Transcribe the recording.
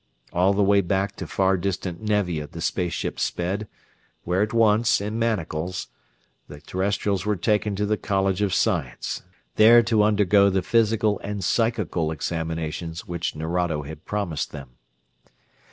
All the way back to far distant Nevia the space ship sped, where at once, in manacles, the Terrestrials were taken to the College of Science, there to undergo the physical and psychical examinations which Nerado had promised them.